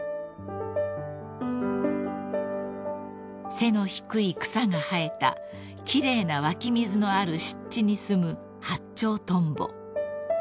［背の低い草が生えた奇麗な湧き水のある湿地に住むハッチョウトンボ］